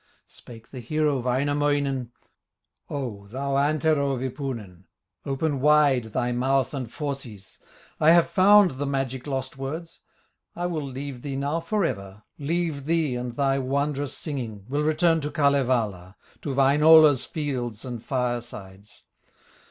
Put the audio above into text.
Spake the hero, Wainamoinen: "O, thou Antero Wipunen, Open wide thy mouth and fauces, I have found the magic lost words, I will leave thee now forever, Leave thee and thy wondrous singing, Will return to Kalevala, To Wainola's fields and firesides."